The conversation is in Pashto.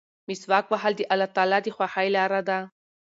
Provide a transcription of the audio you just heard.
مسواک وهل د الله تعالی د خوښۍ لاره ده.